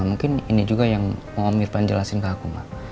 mungkin ini juga yang mau om irfan jelasin ke aku